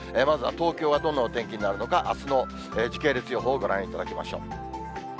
まずは東京はどんなお天気になるのか、時系列予報をご覧いただきましょう。